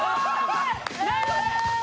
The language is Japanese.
何これ！？